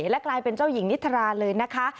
และกลายเป็นเจ้าหญิงนิทราเลยนะคะ